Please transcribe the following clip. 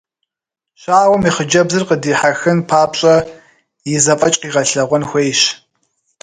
Щауэм и хъыджэбзыр къыдихьэхын папщӏэ и зэфӏэкӏ къигъэлъэгъуэн хуейщ.